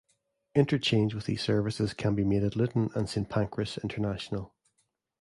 Interchange with these services can be made at Luton and Saint Pancras International.